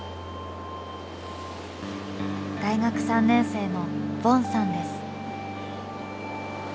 大学３年生のＶｏｎさんです。